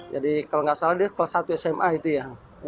jadi kalau nggak salah dia kelas satu sma itu ya